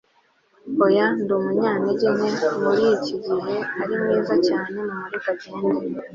oya ndumunyantege nke muriki gihe arimwiza cyane mumureke agende